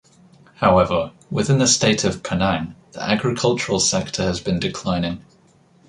However, within the State of Penang, the agricultural sector has been declining.